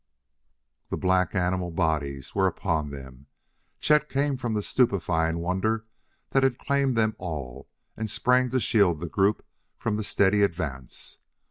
The black, animal bodies were upon them. Chet came from the stupefying wonder that had claimed them all and sprang to shield the group from the steady advance.